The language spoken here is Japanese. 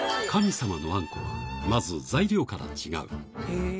神様のあんこは、まず材料から違う。